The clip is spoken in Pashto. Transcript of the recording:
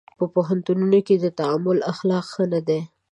په پوهنتونونو کې د تعامل اخلاق ښه نه دي.